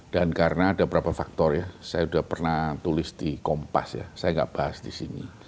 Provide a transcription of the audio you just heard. dan karena ada beberapa faktor ya saya sudah pernah tulis di kompas ya saya nggak bahas di sini